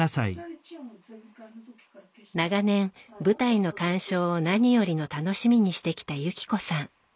長年舞台の鑑賞を何よりの楽しみにしてきた由紀子さん。